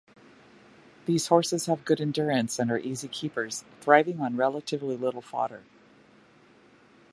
These horses have good endurance and are easy keepers, thriving on relatively little fodder.